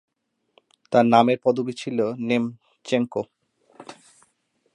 তার নামের পদবী ছিল নেমচেঙ্কো।